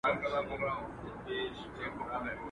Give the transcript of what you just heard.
نېکي نه ورکېږي.